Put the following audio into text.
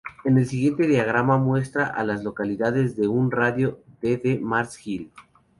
El siguiente diagrama muestra a las localidades en un radio de de Mars Hill.